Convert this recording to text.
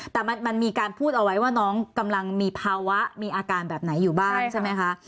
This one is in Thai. แต่มันมีการพูดเอาไว้ว่าน้องกำลังมีภาวะมีอาการแบบไหนอยู่บ้างใช่ไหมคะ